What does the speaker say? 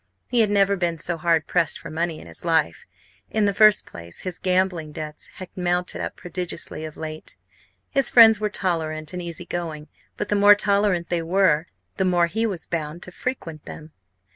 He had never been so hard pressed for money in his life. In the first place his gambling debts had mounted up prodigiously of late. His friends were tolerant and easy going. But the more tolerant they were the more he was bound to frequent them.